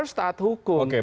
harus taat hukum